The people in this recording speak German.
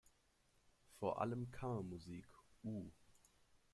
Vor allem Kammermusik,u.